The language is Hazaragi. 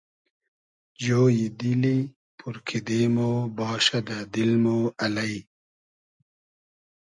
جۉیی دیلی پور کیدې مۉ باشۂ دۂ دیل مۉ الݷ